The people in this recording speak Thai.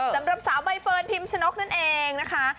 สำหรับสาวใบเฟิร์นพิมชนกนั่นเองนะคะ